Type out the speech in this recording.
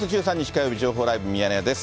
火曜日、情報ライブミヤネ屋です。